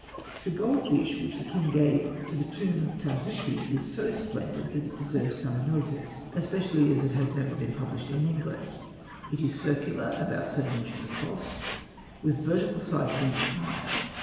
The gold dish which the king gave to the tomb of Tahuti is so splendid that it deserves some notice, especially as it has Hosted by Google REMARKS II never been published in England. It is circular, about seven inches across, with vertical sides an inch high.